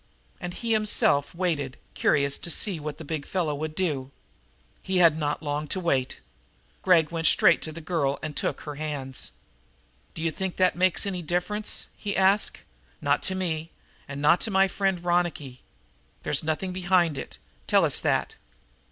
And he himself waited, curious to see what the big fellow would do. He had not long to wait. Gregg went straight to the girl and took her hands. "D'you think that makes any difference?" he asked. "Not to me, and not to my friend Ronicky. There's something behind it. Tell us that!"